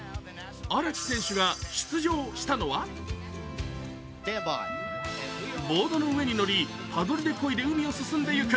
荒木選手が出場したのはボードの上に乗り、パドルでこいで海を進んでいく